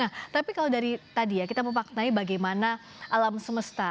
nah tapi kalau dari tadi ya kita memaknai bagaimana alam semesta